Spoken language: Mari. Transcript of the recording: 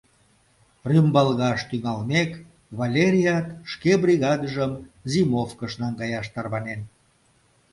Рӱмбалгаш тӱҥалмек, Валерият шке бригадыжым зимовкыш наҥгаяш тарванен.